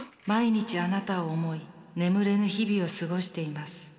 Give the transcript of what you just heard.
「毎日あなたを想い眠れぬ日々を過ごしています。